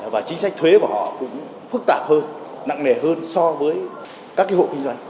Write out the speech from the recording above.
và chính sách thuế của họ cũng phức tạp hơn nặng nề hơn so với các hộ kinh doanh